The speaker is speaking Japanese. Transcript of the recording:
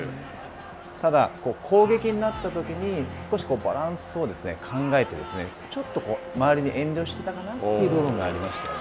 ただ、攻撃になったときに少しバランスを考えてちょっと周りに遠慮していたかなという部分がありましたね。